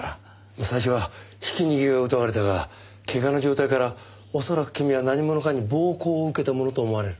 最初はひき逃げを疑われたがけがの状態から恐らく君は何者かに暴行を受けたものと思われる。